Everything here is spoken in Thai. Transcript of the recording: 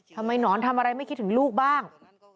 หนอนทำอะไรไม่คิดถึงลูกบ้าง